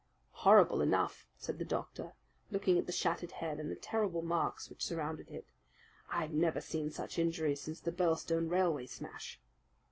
"Horrible enough!" said the doctor, looking at the shattered head and the terrible marks which surrounded it. "I've never seen such injuries since the Birlstone railway smash."